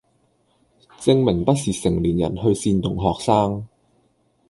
證明不是成年人去煽動學生